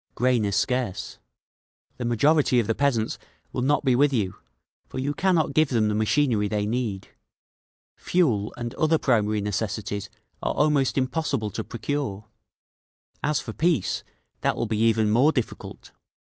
Grain is scarce. The majority of the peasants will not be with you, for you cannot give them the machinery they need. Fuel and other primary necessities are almost impossible to procure…. "As for peace, that will be even more difficult.